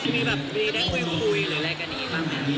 มีแบบได้คุยหรือและกันอีกบ้างคะ